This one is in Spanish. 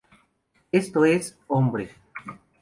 Esto es, hombre.